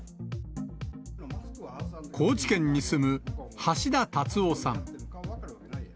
高知県に住む橋田達夫さん。